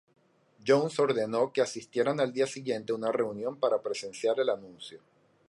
Jones ordenó que asistieran al día siguiente a una reunión para presenciar el anuncio.